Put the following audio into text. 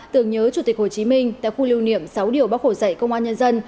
tưởng nhớ chủ tịch hồ chí minh tại khu lưu niệm sáu điều bác hồ dạy công an nhân dân